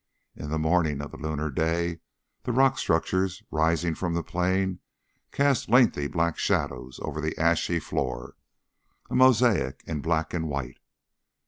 In the morning of the lunar day the rock structures rising from the plain cast lengthy black shadows over the ashy floor a mosaic in black and white.